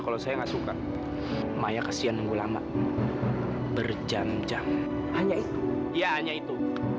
kalau saya enggak suka maya kesian nunggu lama berjam jam hanya itu hanya itu